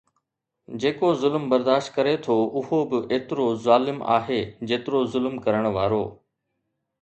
جيڪو ظلم برداشت ڪري ٿو اهو به ايترو ظالم آهي جيترو ظلم ڪرڻ وارو